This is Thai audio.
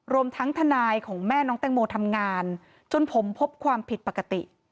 รวมทั้งทนายของแม่น้องแตงโมทำงานจนผมพบความผิดปกติ